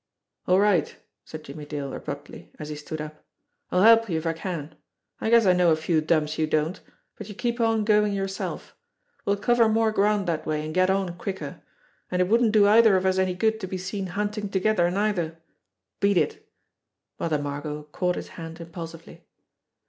"All right," said Jimmie Dale abruptly, as he stood up. "I'll help you if I can. I guess I know a few dumps you don't, but you keep on going yourself. We'll cover more ground that way, and get on quicker. And it wouldn't do either of us any good to be seen hunting together, neither. Beat it!" Mother Margot caught his hand impulsively.